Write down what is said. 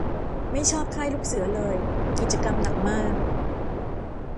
ไม่ชอบค่ายลูกเสือเลย กิจกรรมหนักมาก